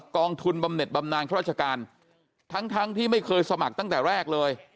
กองทุนบำเน็ตบำนานข้าราชการทั้งที่ไม่เคยสมัครตั้งแต่แรกเลย